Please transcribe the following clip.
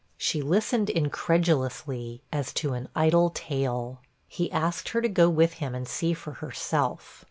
She listened incredulously, as to an idle tale. He asked her to go with him and see for herself.